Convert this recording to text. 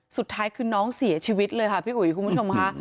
สุดท้ายคือน้องเสียชีวิตเลยค่ะพี่อุ๋ยคุณผู้ชมค่ะ